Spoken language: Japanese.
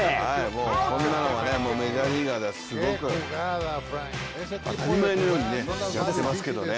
もうこんなのはメジャーリーガーではすごく当たり前のようにやってますけどね。